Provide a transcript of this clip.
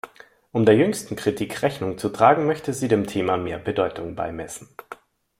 Um der jüngsten Kritik Rechnung zu tragen, möchte sie dem Thema mehr Bedeutung beimessen.